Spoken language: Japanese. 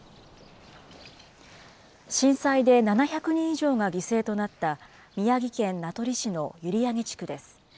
震災で７００人以上が犠牲となった宮城県名取市の閖上地区です。